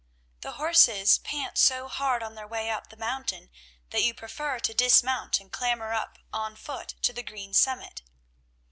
The horses pant so hard on their way up the mountain that you prefer to dismount and clamber up on foot to the green summit.